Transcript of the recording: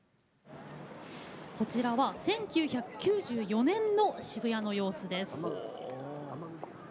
こちらは１９９４年の渋谷の様子です。